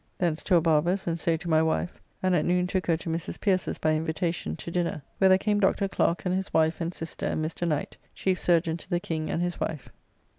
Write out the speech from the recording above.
Thence to a barber's and so to my wife, and at noon took her to Mrs. Pierces by invitacion to dinner, where there came Dr. Clerke and his wife and sister and Mr. Knight, chief chyrurgeon to the King and his wife.